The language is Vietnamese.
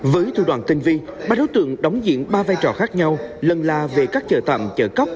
với thủ đoàn tinh vi ba đối tượng đóng diện ba vai trò khác nhau lần la về các chợ tạm chợ cóc